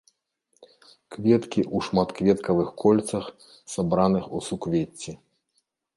Кветкі ў шматкветкавых кольцах, сабраных у суквецці.